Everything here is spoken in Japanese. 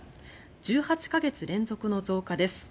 １８か月連続の増加です。